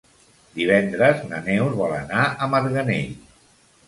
Divendres na Neus vol anar a Marganell.